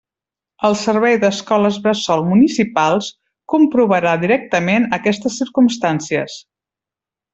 El Servei d'Escoles Bressol Municipals comprovarà directament aquestes circumstàncies.